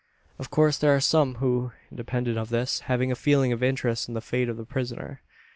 Of course there are some who, independent of this, have a feeling of interest in the fate of the prisoner.